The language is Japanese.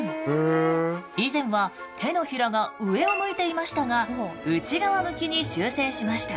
以前は手のひらが上を向いていましたが内側向きに修正しました。